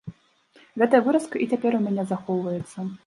Гэтая выразка і цяпер у мяне захоўваецца.